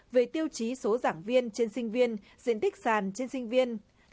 về tiêu chí số giảng viên trên sinh viên diện tích sàn trên sinh viên